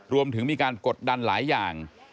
รวมถึงมีการกดดันหลายอย่าง